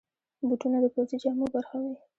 بوټونه د پوځي جامو برخه وي.